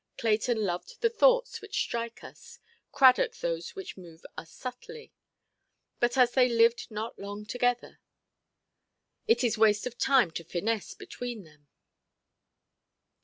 Clayton loved the thoughts which strike us, Cradock those which move us subtly. But, as they lived not long together, it is waste of time to finesse between them.